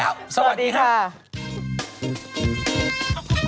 เออ